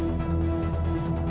aku mau ke rumah